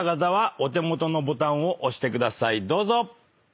どうぞ。